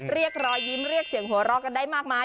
เรียกรอยยิ้มเรียกเสียงหัวเราะกันได้มากมาย